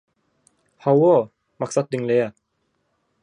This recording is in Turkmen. – Hawa, Maksat diňleýä.